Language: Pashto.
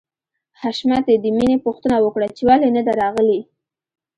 حشمتي د مینې پوښتنه وکړه چې ولې نده راغلې